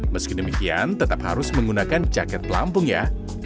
meski demikian tetap harus menggunakan jaket pelampung ya